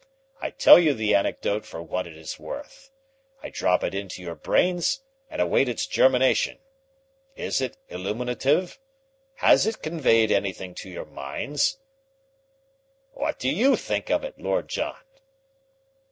I tell you the anecdote for what it is worth. I drop it into your brains and await its germination. Is it illuminative? Has it conveyed anything to your minds? What do you think of it, Lord John?"